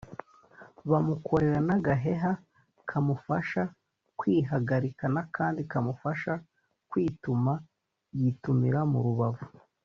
bamukorera n’agaheha kamufasha kwihagarika n’akandi kamufasha kwituma (yitumira mu rubavu)